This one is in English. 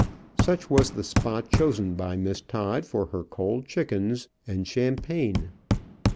Such was the spot chosen by Miss Todd for her cold chickens and champagne.